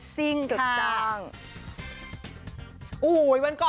สามารถ